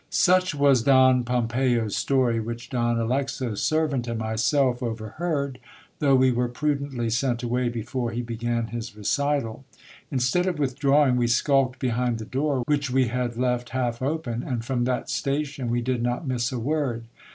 Such was Don Pompeyo's story, which Don Alexo's servant and myself over heard, though we were prudently sent away before he began his recital. In stead of withdrawing, we skulked behind the door, which we had left half open, and from that station we did not miss a word.